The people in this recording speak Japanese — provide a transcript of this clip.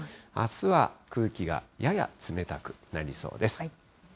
あすは空気がやや冷たくなりそうです。